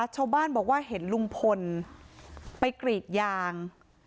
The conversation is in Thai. ชาวบ้านบอกว่าเห็นลุงพลไปกรีดยาง